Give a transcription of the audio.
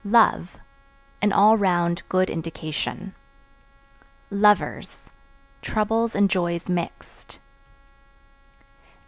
Love An all round good indication. Lovers Troubles and joys mixed.